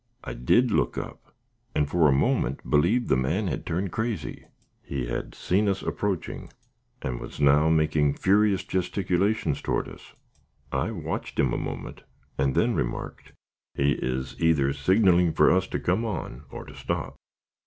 I did look up, and for a moment believed the man had turned crazy. He had seen us approaching, and was now making furious gesticulations toward us. I watched him a moment, and then remarked: "He is either signaling for us to come on or to stop."